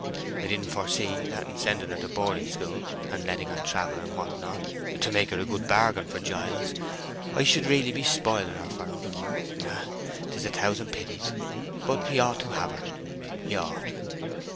I didn't foresee that in sending her to boarding school and letting her travel, and what not, to make her a good bargain for Giles, I should be really spoiling her for him. Ah, 'tis a thousand pities! But he ought to have her—he ought!"